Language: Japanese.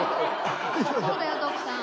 そうだよ徳さん。